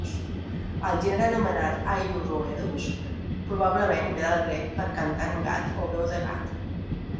El gènere anomenat "Ailuroedus"probablement ve del grec per "cantant gat" o "veu de gat".